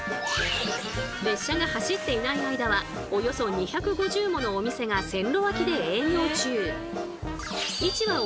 列車が走っていない間はおよそ２５０ものお店が線路脇で営業中。